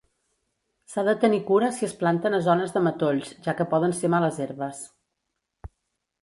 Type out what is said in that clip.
S"ha de tenir cura si es planten a zones de matolls ja què poden ser males herbes.